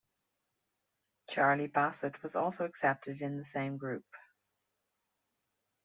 Charlie Bassett was also accepted in the same group.